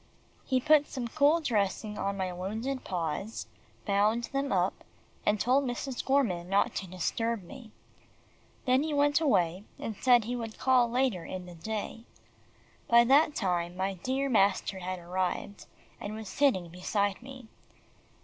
He put some cool dressing on my wounded paws, bound them up, and told Mrs. Gorman not to disturb them. Then he went away, and said he would call later in the day. By that time, my dear master had arrived, and was sitting beside me.